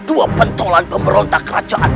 dua pentolan pemberontak kerajaan